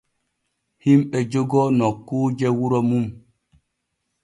Himɓe jogoo nokkuuje wuro mum.